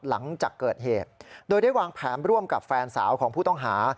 หลังจากเกิดเหตุโดยได้วางแผนร่วมกับแฟนสาวของผู้ต้องหา